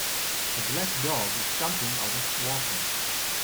A black dog is jumping out of water.